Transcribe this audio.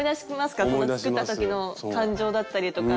作った時の感情だったりとか。